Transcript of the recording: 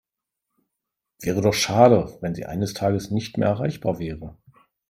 Wäre doch schade, wenn Sie eines Tages nicht mehr erreichbar wäre.